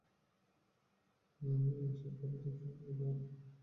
শীতকালে টিকতে পারবে না ওরা।